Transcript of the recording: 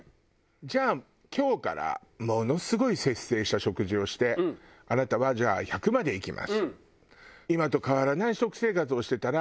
じゃあ今日からものすごい節制した食事をしてあなたはじゃあ１００まで生きます。